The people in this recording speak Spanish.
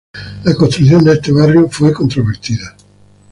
La construcción de este barrio fue controvertida.